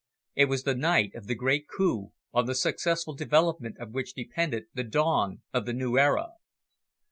It was the night of the great coup, on the successful development of which depended the dawn of the new era.